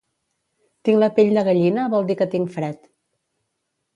Tinc la pell de gallina vol dir que tinc fred